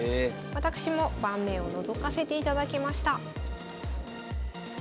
私も盤面をのぞかせていただきました。